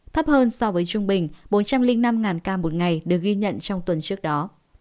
thấp hơn so với trung bình bốn trăm linh năm ca một ngày được ghi nhận trong tuần trước đó